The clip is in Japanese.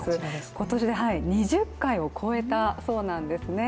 今年で２０回を超えたそうなんですね。